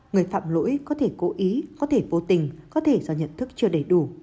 người phạm lỗi có thể cố ý có thể vô tình có thể do nhận thức chưa đầy đủ